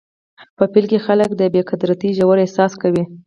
په پیل کې خلک د بې قدرتۍ ژور احساس کوي.